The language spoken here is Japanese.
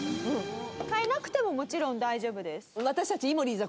変えなくてももちろん大丈夫です。